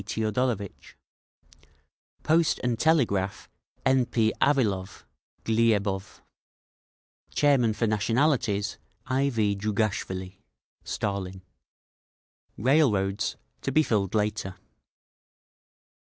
Teodorovitch Post and Telegraph: N. P. Avilov (Gliebov) Chairman for Nationalities: I. V. Djougashvili (Stalin) Railroads: To be filled later.